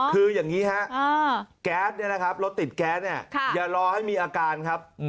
คืออย่างนี้ฮะแก๊สเนี่ยนะครับรถติดแก๊สเนี่ยอย่ารอให้มีอาการครับ